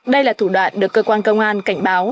đây là thủ đoạn được cơ quan công an cảnh báo